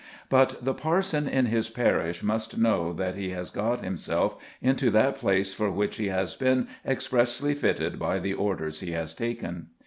But the parson in his parish must know that he has got himself into that place for which he has been expressly fitted by the orders he has taken.